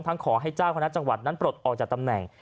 ขอให้เจ้าคณะจังหวัดนั้นปลดออกจากตำแหน่ง